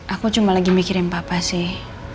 aku cuma lagi mikirin papa sih